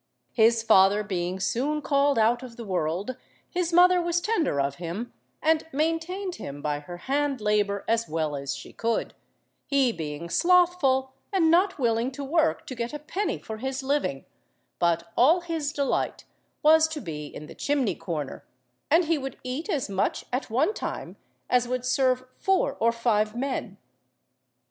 His father being soon called out of the world, his mother was tender of him, and maintained him by her hand labour as well as she could, he being slothful and not willing to work to get a penny for his living, but all his delight was to be in the chimney–corner, and he would eat as much at one time as would serve four or five men.